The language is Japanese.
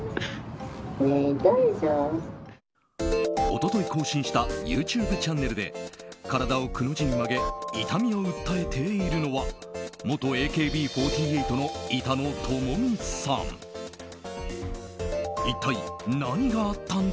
一昨日更新したＹｏｕＴｕｂｅチャンネルで体をくの字に曲げ痛みを訴えているのは元ＡＫＢ４８の板野友美さん。